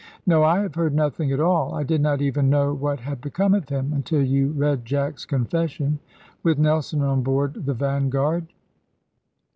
"No, I have heard nothing at all. I did not even know what had become of him, until you read Jack's confession. With Nelson, on board the Vanguard!"